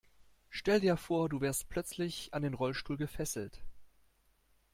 Stell dir vor, du wärst plötzlich an den Rollstuhl gefesselt.